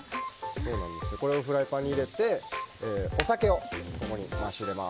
これをフライパンに入れてお酒をここに回し入れます。